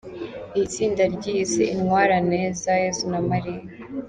Iri tsinda ryiyise Intwarane za Yezu na Maria.